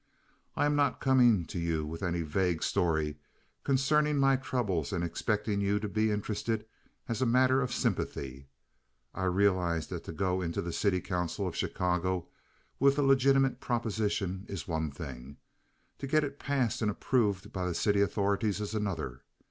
I am not coming to you with any vague story concerning my troubles and expecting you to be interested as a matter of sympathy. I realize that to go into the city council of Chicago with a legitimate proposition is one thing. To get it passed and approved by the city authorities is another.